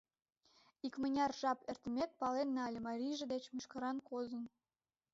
Икмыняр жап эртымек, пален нале: марийже деч мӱшкыран кодын.